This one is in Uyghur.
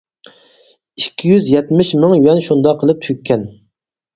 ئىككى يۈز يەتمىش مىڭ يۈەن شۇنداق قىلىپ تۈگكەن.